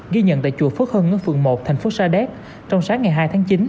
ghi nhận tại chùa phước hưng ở phường một thành phố sa đéc trong sáng ngày hai tháng chín